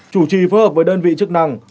chủ trì phối hợp với đơn vị chức năng